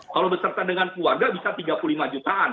kalau beserta dengan keluarga bisa tiga puluh lima jutaan